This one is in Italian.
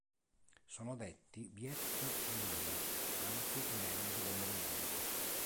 Sono detti "viet minh" anche i membri del movimento.